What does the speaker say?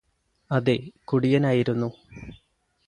അതെ കുടിയനായിരുന്നു